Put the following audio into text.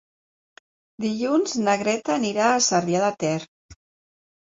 Dilluns na Greta anirà a Cervià de Ter.